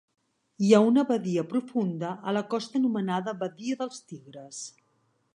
Hi ha una badia profunda a la costa anomenada Badia dels Tigres.